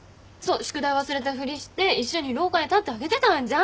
宿題忘れたふりして一緒に廊下に立ってあげてたんじゃん。